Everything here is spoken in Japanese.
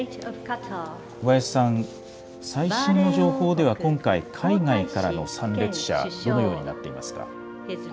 小林さん、最新の情報では今回、海外からの参列者、どのようになっていますか。